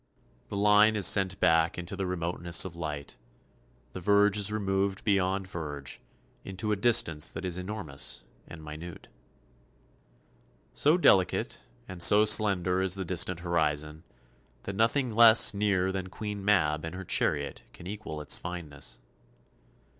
The line is sent back into the remoteness of light, the verge is removed beyond verge, into a distance that is enormous and minute. So delicate and so slender is the distant horizon that nothing less near than Queen Mab and her chariot can equal its fineness.